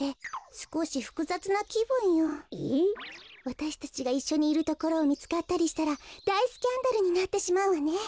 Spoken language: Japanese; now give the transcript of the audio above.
わたしたちがいっしょにいるところをみつかったりしたらだいスキャンダルになってしまうわね。